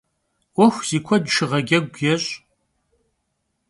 'Uexu zi kued şşığecegu yêş'.